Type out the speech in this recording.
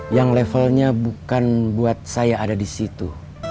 yang levelnya bukan buat saya ada di situ